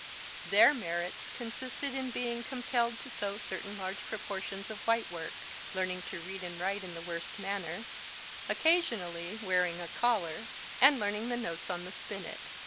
Their merits consisted in being compelled to sew certain large portions of white work; learning to read and write in the worst manner; occasionally wearing a collar, and learning the notes on the spinnet.